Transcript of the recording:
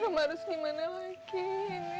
hai harus gimana lagi ini